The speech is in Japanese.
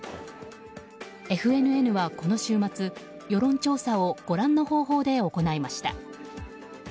ＦＮＮはこの週末、世論調査をご覧の方法で行いました。